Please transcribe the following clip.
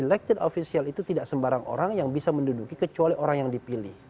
elected official itu tidak sembarang orang yang bisa menduduki kecuali orang yang dipilih